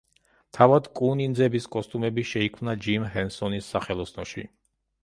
თავად კუ ნინძების კოსტიუმები შეიქმნა ჯიმ ჰენსონის სახელოსნოში.